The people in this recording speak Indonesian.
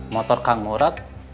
motor kang murad